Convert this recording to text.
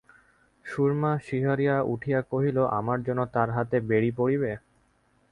সুরমা শিহরিয়া উঠিয়া কহিল, আমার জন্য তাঁর হাতে বেড়ি পড়িবে?